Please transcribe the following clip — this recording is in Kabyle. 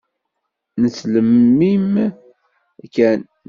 Nettlemmim kan.